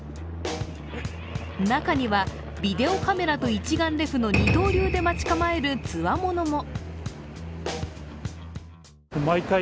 中にはビデオカメラと一眼レフの二刀流で待ち構えるつわものも。